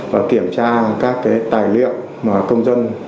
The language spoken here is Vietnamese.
và kiểm tra các tài liệu mà công dân